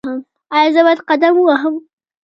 ایا زه باید قدم ووهم؟